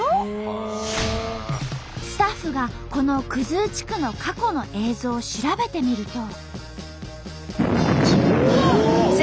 スタッフがこの生地区の過去の映像を調べてみると。